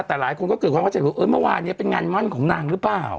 แต่หลายคนก็เกิดความเข้าใจว่าเออเมื่อวานนี้เป็นงานมั่นของนางหรือเปล่า